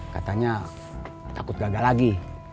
katanya takut gagal lagi